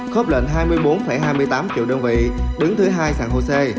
khớp lệnh hai mươi bốn hai mươi tám triệu đơn vị đứng thứ hai sàng hồ sê